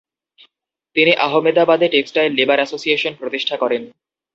তিনি ‘আহমেদাবাদে textile labour association’ প্রতিষ্ঠা করেন।